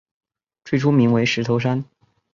最初名为石头山。